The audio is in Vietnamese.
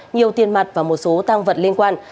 nhiều tiền mặt và một số tăng vật liên quan